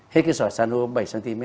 hết cái sỏi san hô bảy cm